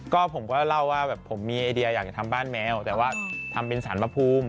ก็ผมก็เล่าว่าแบบผมมีไอเดียอยากจะทำบ้านแมวแต่ว่าทำเป็นสารพระภูมิ